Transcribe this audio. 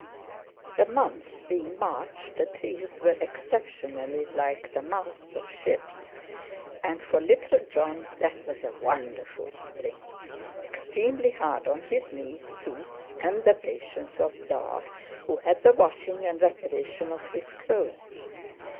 The month being March the trees were exceptionally like the masts of ships, and for little Jon that was a wonderful Spring, extremely hard on his knees, suits, and the patience of "Da," who had the washing and reparation of his clothes.